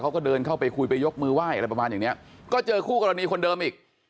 เขาก็เดินเข้าไปคุยไปยกมือไหว้อะไรประมาณอย่างเนี้ยก็เจอคู่กรณีคนเดิมอีก